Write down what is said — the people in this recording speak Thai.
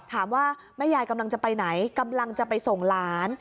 ถามว่าแม่ยายกำลังจะไปไหนกำลังจะไปส่งหลาน